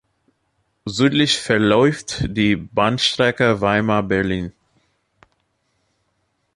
Südlich verläuft die Bahnstrecke Weimar-Berlin.